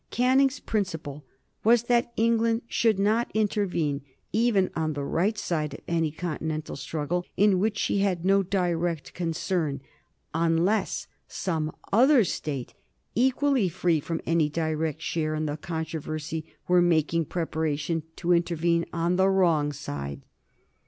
Canning's principle was that England should not intervene even on the right side of any Continental struggle in which she had no direct concern, unless some other State equally free from any direct share in the controversy were making preparation to intervene on the wrong side.